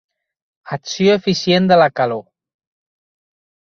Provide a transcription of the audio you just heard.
Acció eficient de la calor.